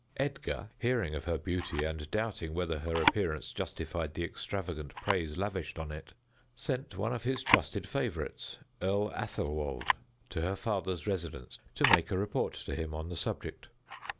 Edgar, hearing of her beauty, and doubting whether her appearance justified the extravagant praise lavished on it, sent one of his trusted favorites, Earl Athelwold, to her father's residence to make a report to him on the subject.